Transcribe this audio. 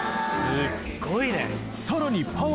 すっごいね。